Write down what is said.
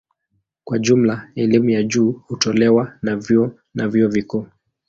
Kwa jumla elimu ya juu hutolewa na vyuo na vyuo vikuu.